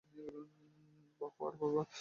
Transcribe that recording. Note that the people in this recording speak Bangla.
বাপু আর বাবা!